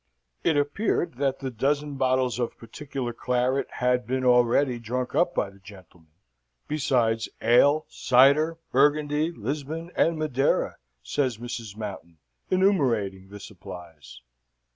It appeared that the dozen bottles of particular claret had been already drunk up by the gentlemen, "besides ale, cider, Burgundy, Lisbon, and Madeira," says Mrs. Mountain, enumerating the supplies.